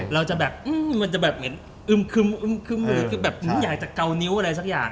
เราจะแบบอืมมันจะแบบเหม็นอึ้มคึมคือแบบอยากจะเกาวนิ้วอย่างไรสักอย่าง